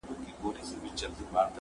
له ما جوړي بنګلې ښکلي ښارونه!